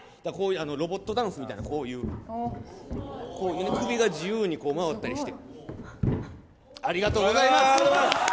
ロボットダンスみたいなこういう、首が自由に回ったりして。